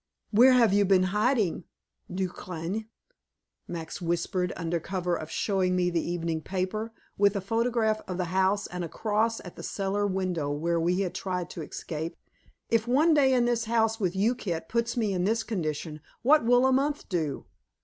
"Where have you been hiding, du kleine?" Max whispered, under cover of showing me the evening paper, with a photograph of the house and a cross at the cellar window where we had tried to escape. "If one day in the house with you, Kit, puts me in this condition, what will a month do?"